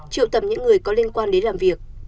triệu tầm những người có liên quan đến làm việc